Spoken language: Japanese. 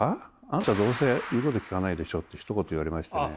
あなたどうせ言うこと聞かないでしょ！」ってひと言言われましてね。